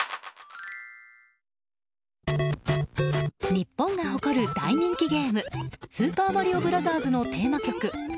日本が誇る大人気ゲーム「スーパーマリオブラザーズ」のテーマ曲。